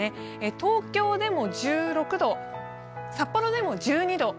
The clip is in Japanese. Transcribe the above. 東京でも１６度、札幌でも１２度。